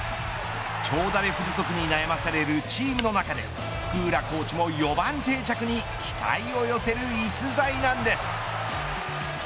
長打力不足に悩まされるチームの中で福浦コーチも４番定着に期待を寄せる逸材なんです。